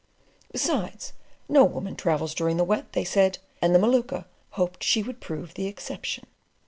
"Besides, no woman travels during the Wet," they said, and the Maluka "hoped she would prove the exception."